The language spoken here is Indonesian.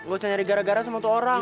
gue harus nyari gara gara sama orang